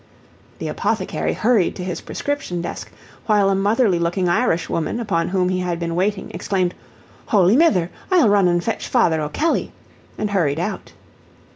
The apothecary hurried to his prescription desk, while a motherly looking Irish woman upon whom he had been waiting, exclaimed, "Holy Mither! I'll run an' fetch Father O'Kelley," and hurried out.